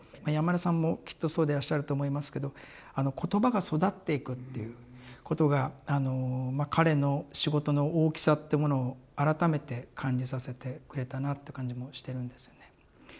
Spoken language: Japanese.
山根さんもきっとそうでらっしゃると思いますけど言葉が育っていくっていうことが彼の仕事の大きさってものを改めて感じさせてくれたなって感じもしてるんですよね。